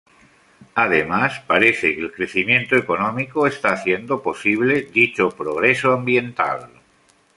Además, parece que el crecimiento económico está haciendo posible dicho progreso ambiental.